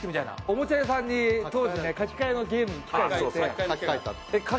おもちゃ屋さんに当時ね書き換えのゲーム機械があって。